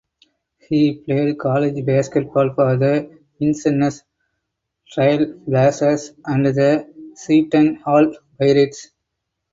He played college basketball for the Vincennes Trailblazers and the Seton Hall Pirates.